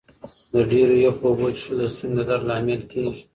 د ډېرو یخو اوبو څښل د ستوني د درد لامل کېږي.